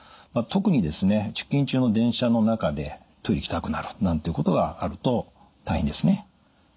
特にですね出勤中の電車の中でトイレに行きたくなるなんていうことがあると大変ですね。